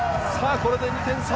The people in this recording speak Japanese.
これで２点差。